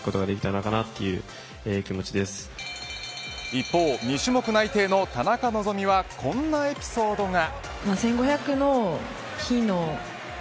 一方、２種目内定の田中希実はこんなエピソードが。